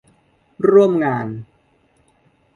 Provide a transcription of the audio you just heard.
ร่วมงาน